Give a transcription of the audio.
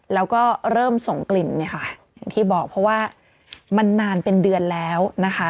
แล้วก็เริ่มส่งกลิ่นเนี่ยค่ะอย่างที่บอกเพราะว่ามันนานเป็นเดือนแล้วนะคะ